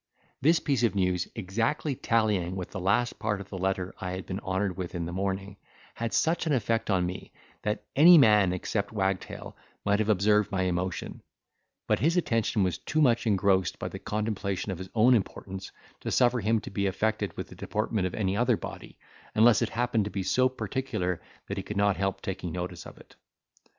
This piece of news, exactly tallying with the last part of the letter I had been honoured with in the morning, had such an effect on me, that any man except Wagtail might have observed my emotion; but his attention was too much engrossed by the contemplation of his own importance to suffer him to be affected with the deportment of any other body, unless it happened to be so particular that he could not help taking notice of it.